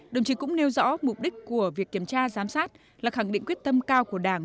đồng chí cũng nêu rõ mục đích của việc kiểm tra giám sát là khẳng định quyết tâm cao của đảng